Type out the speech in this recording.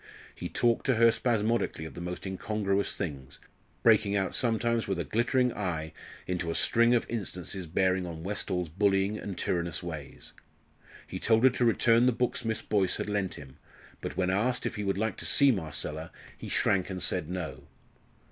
He talked to her spasmodically of the most incongruous things breaking out sometimes with a glittering eye into a string of instances bearing on Westall's bullying and tyrannous ways. He told her to return the books Miss Boyce had lent him, but when asked if he would like to see Marcella he shrank and said no.